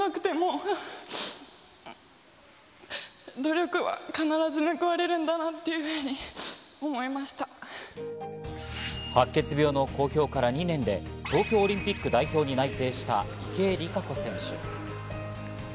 床や壁が可動式になっていて、白血病の公表から２年で東京オリンピック代表に内定した池江璃花子選手。